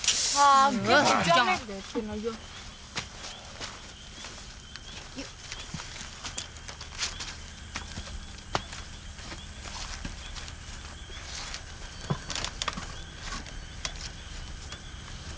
ya ampun jangan